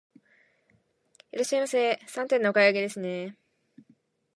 いらっしゃいませ、三点のお買い上げですね。